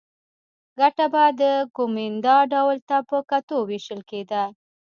ګټه به د کومېندا ډول ته په کتو وېشل کېده